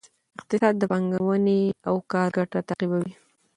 اقتصاد د پانګې او کار ګټه تعقیبوي.